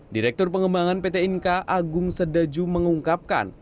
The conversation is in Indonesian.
direktur pengembangan pt inka agung sedaju mengungkapkan